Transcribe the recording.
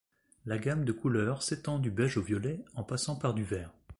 La gamme de couleurs s'étend du beige au violet, en passant par du vert.